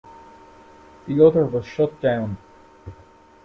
The other was shut down.